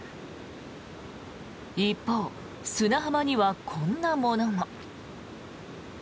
一方、砂浜にはこんなものも。